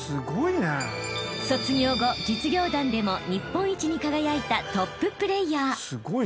［卒業後実業団でも日本一に輝いたトッププレーヤー］